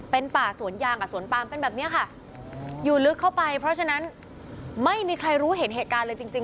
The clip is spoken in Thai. เป็นป่าสวนยางกับสวนปามเป็นแบบเนี้ยค่ะอยู่ลึกเข้าไปเพราะฉะนั้นไม่มีใครรู้เห็นเหตุการณ์เลยจริงจริง